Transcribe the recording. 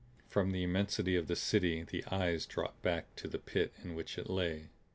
From the immensity of the City the eyes dropped back to the Pit in which it lay.